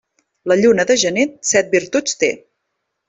La lluna de gener set virtuts té.